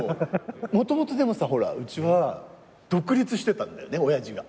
もともとでもさうちは独立してたんだよね親父が。